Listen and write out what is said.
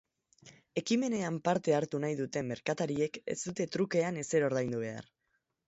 Ekimenean parte hartu nahi duten merkatariek ez dute trukean ezer ordaindu behar.